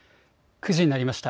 ９時になりました。